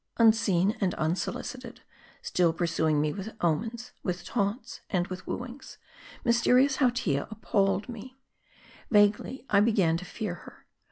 Unseen, and unsolicited ; still pur suing me with omens, with taunts, and with wooings, mys terious Hautia appalled me. Vaguely I began to fear her.